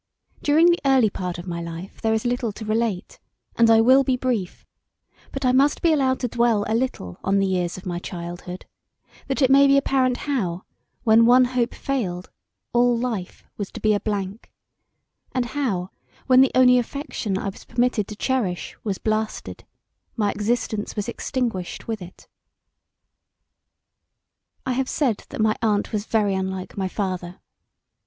During the early part of my life there is little to relate, and I will be brief; but I must be allowed to dwell a little on the years of my childhood that it may be apparent how when one hope failed all life was to be a blank; and how when the only affection I was permitted to cherish was blasted my existence was extinguished with it. I have said that my aunt was very unlike my father.